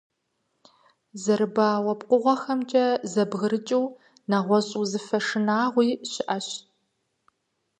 Зэрыбауэ пкъыгъуэхэмкӀэ зэбгрыкӀыу нэгъуэщӀ узыфэ шынагъуи щыӀэщ.